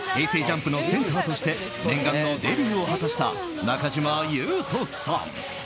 ＪＵＭＰのセンターとして念願のデビューを果たした中島裕翔さん。